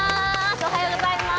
おはようございます。